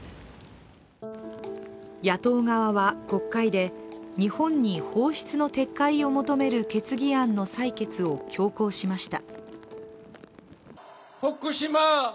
野党側は、国会で日本に放出の撤回を求める決議案の採決を強行しました。